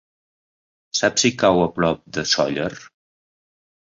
Saps si cau a prop de Sóller?